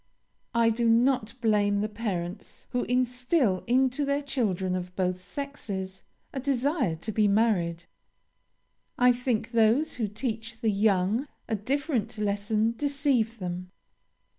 "I do not blame the parents who instil into their children of both sexes a desire to be married. I think those who teach the young a different lesson deceive them.